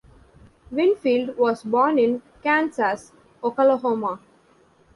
Winfield was born in Kansas, Oklahoma.